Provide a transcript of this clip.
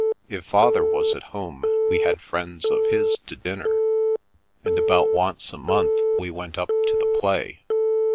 If father was at home we had friends of his to dinner, and about once a month we went up to the play.